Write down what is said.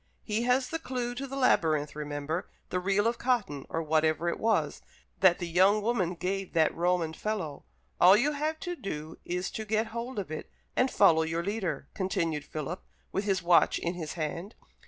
He has the clue to the labyrinth, remember, the reel of cotton, or whatever it was, that the young woman gave that Roman fellow. All you have to do is to get hold of it, and follow your leader." continued Philip, with his watch in his hand.